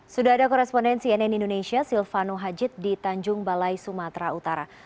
sudah ada korespondensi nn indonesia silvano hajid di tanjung balai sumatera utara